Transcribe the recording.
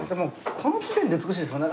この時点で美しいですもんね。